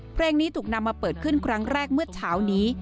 เพลงนี้ถูกนำมาเปิดขึ้นครั้งแรกเมื่อเช้านี้